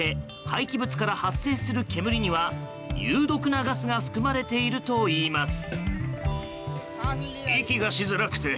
廃棄物から発生する煙には有毒なガスが含まれているといいます。